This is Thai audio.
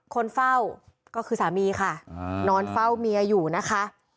คนเฝ้าก็คือสามีค่ะนอนเฝ้าเมียอยู่นะคะ